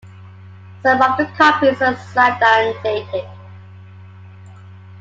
Some of the copies are signed and dated.